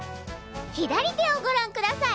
左手をごらんください。